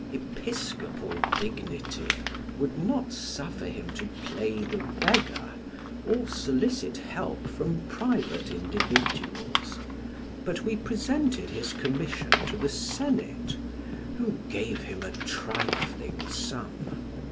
Episcopal dignity would not suffer him to play the beggar, or solicit help from private individuals; but we presented his commission to the Senate, who gave him a trifling sum.